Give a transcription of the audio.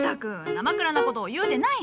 なまくらな事を言うでない！